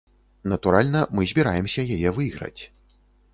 Натуральна, мы збіраемся яе выйграць.